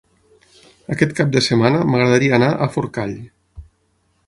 Aquest cap de setmana m'agradaria anar a Forcall.